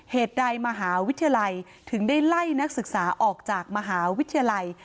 เหตุใดมหาวิทยาลัยถึงได้ไล่นักศึกษาออกจากมหาวิทยาลัย